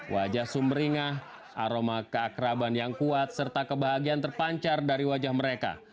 wajah sumberingah aroma keakraban yang kuat serta kebahagiaan terpancar dari wajah mereka